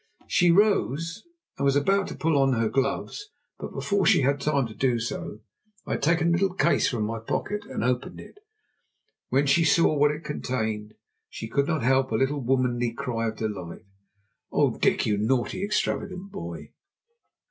She rose and was about to pull on her gloves. But before she had time to do so I had taken a little case from my pocket and opened it. When she saw what it contained she could not help a little womanly cry of delight. "Oh, Dick! you naughty, extravagant boy!"